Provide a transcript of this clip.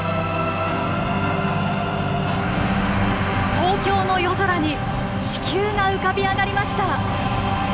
東京の夜空に地球が浮かび上がりました。